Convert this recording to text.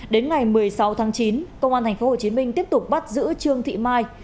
đến ngày một mươi sáu tháng chín công an tp hcm tiếp tục bắt giữ trương thị mai